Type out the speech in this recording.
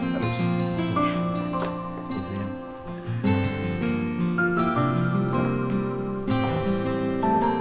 sampai ketemu ya